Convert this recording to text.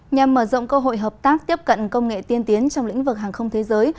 nhằm mở rộng cơ hội hợp tác tiếp cận công nghệ tiên tiến trong lĩnh vực hàng không thế giới